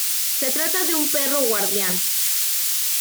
Se trata de un perro guardián.